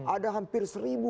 ada hampir seribu